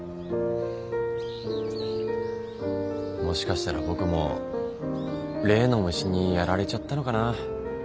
もしかしたら僕も例の虫にやられちゃったのかな。